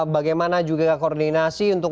bagaimana juga koordinasi untuk